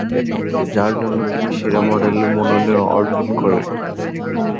যার জন্য তিনি সেরা মডেলের মনোনয়ন অর্জন করেন।